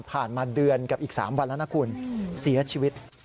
มาเดือนกับอีก๓วันแล้วนะคุณเสียชีวิต